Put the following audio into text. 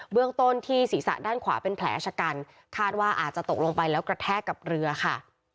เรื่องต้นที่ศีรษะด้านขวาเป็นแผลชะกันคาดว่าอาจจะตกลงไปแล้วกระแทกกับเรือค่ะ